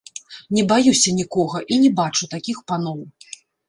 Не баюся нікога і не бачу такіх паноў.